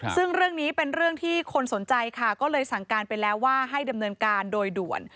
ซึ่งเรื่องนี้เป็นเรื่องที่คนสนใจค่ะก็เลยสั่งการไปแล้วว่าให้ดำเนินการโดยด่วน